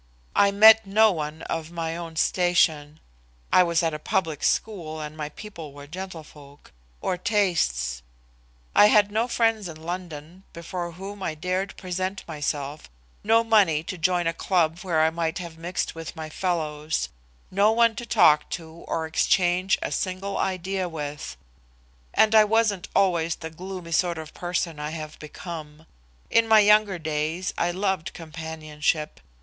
I met no one of my own station I was at a public school and my people were gentlefolk or tastes. I had no friends in London before whom I dared present myself, no money to join a club where I might have mixed with my fellows, no one to talk to or exchange a single idea with and I wasn't always the gloomy sort of person I have become; in my younger days I loved companionship.